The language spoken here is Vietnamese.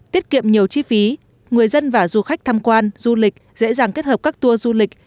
tiết kiệm nhiều chi phí người dân và du khách tham quan du lịch dễ dàng kết hợp các tour du lịch